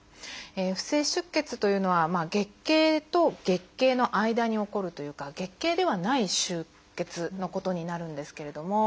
不正出血というのは月経と月経の間に起こるというか月経ではない出血のことになるんですけれども。